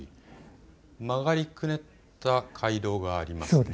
曲がりくねった回廊がありますね。